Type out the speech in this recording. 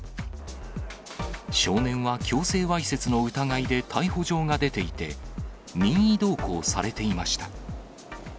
少年は強制わいせつの疑いで逮捕状が出ていて、任意同行されていました。